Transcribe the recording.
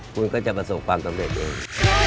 คุณก็จะประสบความสำเร็จเอง